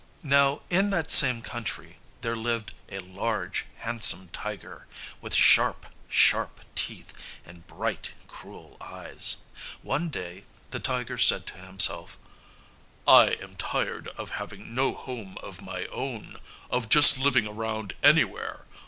Now in that same country there lived a large handsome tiger, with sharp, sharp teeth and bright, cruel eyes. One day the tiger said to himself, "I am tired of having no home of my own, of just living around anywhere!